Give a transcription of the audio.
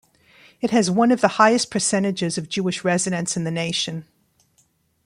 It has one of the highest percentages of Jewish residents in the nation.